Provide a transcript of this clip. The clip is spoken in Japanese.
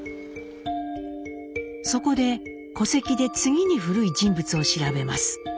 そこで戸籍で次に古い人物を調べます。